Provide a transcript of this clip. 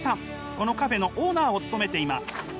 このカフェのオーナーを務めています。